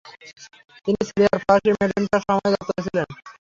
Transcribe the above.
তিনি সিরিয়ায় ফরাসি মেন্ডেটের সময় দপ্তরে ছিলেন।